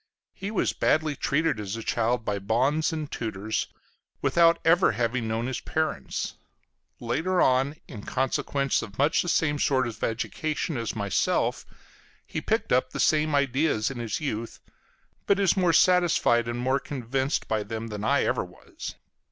He was badly treated as a child by bonnes and tutors, without ever having known his parents. Later on, in consequence of much the same sort of education as myself, he picked up the same ideas in his youth; but is more satisfied and more convinced by them than ever I was.